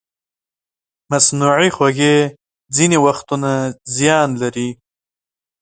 مصنوعي خوږې ځینې وختونه زیان لري.